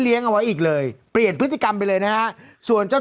เอาไว้อีกเลยเปลี่ยนพฤติกรรมไปเลยนะฮะส่วนเจ้า